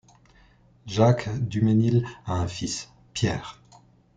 Jacques Dumesnil a un fils, Pierre.